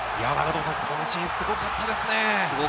このシーン、すごかったですね。